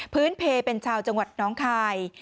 เพลเป็นชาวจังหวัดน้องคาย